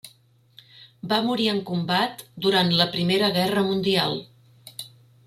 Va morir en combat durant la Primera Guerra Mundial.